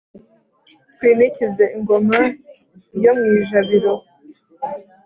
twinikize ingoma iyo mwijabiro